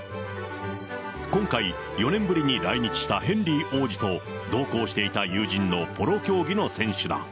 今回、４年ぶりに来日したヘンリー王子と、同行していた友人のポロ競技の選手だ。